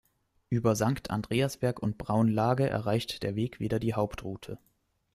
Über Sankt Andreasberg und Braunlage erreicht der Weg wieder die Hauptroute.